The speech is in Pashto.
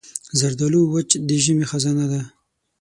زردالو وچ د ژمي خزانه ده.